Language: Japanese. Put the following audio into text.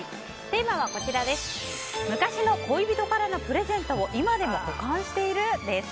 テーマは昔の恋人からのプレゼントを今でも保管している？です。